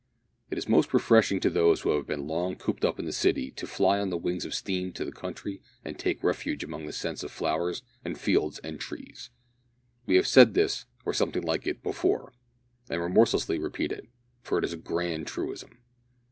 It is most refreshing to those who have been long cooped up in a city to fly on the wings of steam to the country and take refuge among the scents of flowers and fields and trees. We have said this, or something like it, before, and remorselessly repeat it for it is a grand truism.